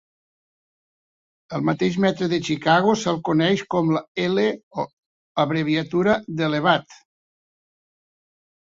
Al mateix metro de Chicago se'l coneix com "L", abreviatura d'"elevat".